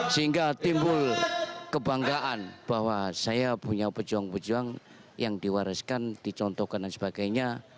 sehingga timbul kebanggaan bahwa saya punya pejuang pejuang yang diwariskan dicontohkan dan sebagainya